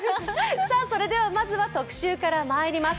それではまずは特集からまいります。